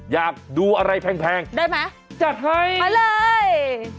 อยากดูอะไรแพงจัดให้มาเลยได้มั้ย